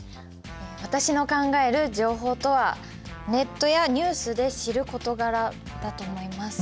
私の考える情報とは「ネットやニュースで知る事柄」だと思います。